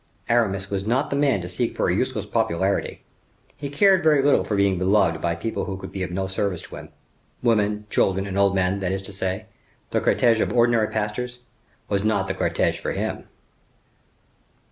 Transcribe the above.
Aramis was not the man to seek for a useless popularity. He cared very little for being beloved by people who could be of no service to him. Women, children, and old men, that is to say, the cortege of ordinary pastors; was not the cortege for him.